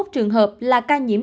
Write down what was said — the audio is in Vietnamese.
sáu mươi một trường hợp là ca nhiễm